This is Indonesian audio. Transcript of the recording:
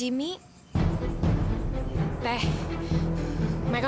ibu meng ephrathium